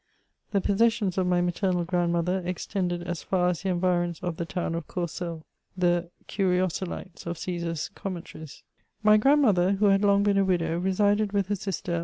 The possessions of my maternal grandmother extended as far as the environs of the town of Corseul, the Curiosolites of Caesar's Commentaries. My grandmother, who had long been a widow, resided with her sister.